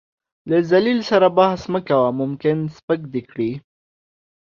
له ذليل سره بحث مه کوه ، ممکن سپک دې کړي .